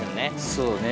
そうね。